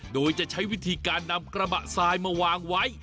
โดยจะใช้วิธีการนำกระบะทรายมาวางไว้